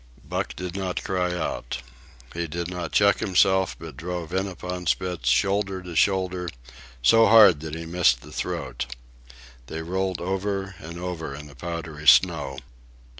Buck did not cry out. He did not check himself, but drove in upon Spitz, shoulder to shoulder, so hard that he missed the throat. They rolled over and over in the powdery snow.